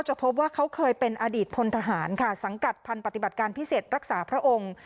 พบว่าเขาเคยเป็นอดีตพลทหารค่ะสังกัดพันธ์ปฏิบัติการพิเศษรักษาพระองค์